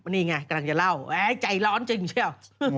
นี่ไงกำลังจะเล่าใจร้อนจริงเชียว